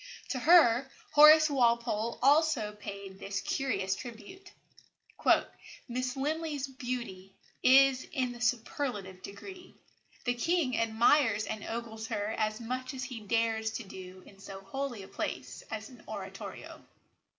To her Horace Walpole also paid this curious tribute: "Miss Linley's beauty is in the superlative degree. The king admires and ogles her as much as he dares to do in so holy a place as oratorio."